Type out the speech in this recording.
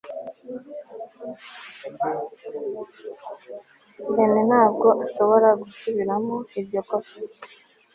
rene ntabwo ashobora gusubiramo iryo kosa